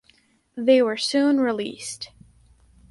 They were soon released.